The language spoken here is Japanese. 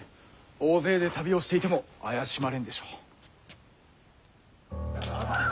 大勢で旅をしていても怪しまれんでしょう。